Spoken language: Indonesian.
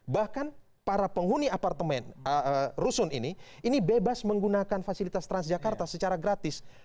bahkan para penghuni apartemen rusun ini ini bebas menggunakan fasilitas transjakarta secara gratis